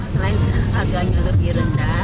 selain harganya lebih rendah